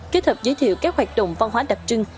kết hợp giới thiệu các hoạt động văn hóa đặc trưng